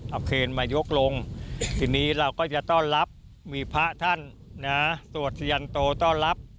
เอาเคนมายกลงทีนี้เราก็จะต้อนรับมีพระท่านนะสวดสยันโตต้อนรับ